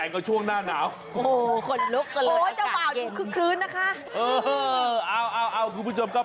เอ้าคุณผู้ชมครับ